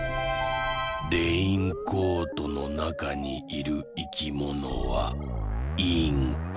レインコートのなかにいるいきものは「インコ」。